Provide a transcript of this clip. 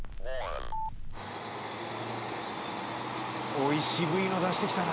「おい渋いの出してきたな」